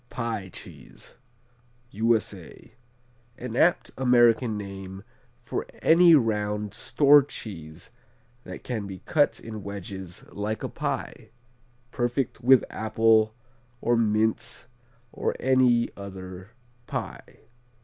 Pie Cheese U.S.A An apt American name for any round store cheese that can be cut in wedges like a pie. Perfect with apple or mince or any other pie.